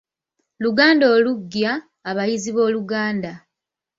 Luganda oluggya, abayizi b’Oluganda